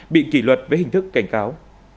bị kỷ luật với hình thức cảnh cáo